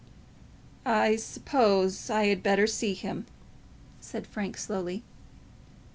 "I suppose I had better see him," said Frank slowly.